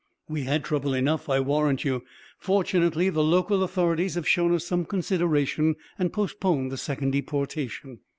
We had trouble enough, I warrant you. Fortunately, the local authorities have shown us some consideration and postponed the second deportation....